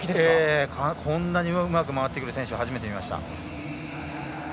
こんなにうまく回ってくる選手は初めて見ました。